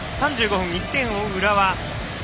３５分１点を追う、浦和。